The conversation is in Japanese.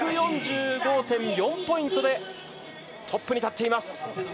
１４５．４ポイントでトップに立っています。